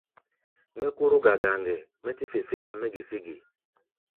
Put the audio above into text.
Mɛ́ kóró gagaŋ hɛ̧ɛ̧, mɛ́ tɛ́ fe féáa mɛ́ gesé ge?